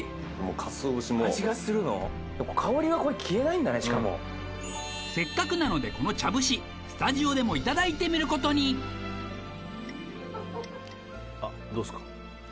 かつお節も香りがこれ消えないんだねしかもせっかくなのでこの茶節スタジオでもいただいてみることにどうですか？